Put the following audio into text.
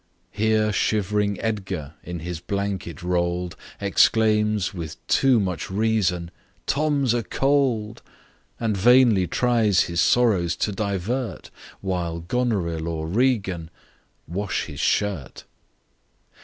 Here shiv'ring Edgar, in his blanket roll'd, Exclaims with too much reason, "Tom's a cold! " And vainly tries his sorrows to divert, While Goneril or Regan wash his shirt!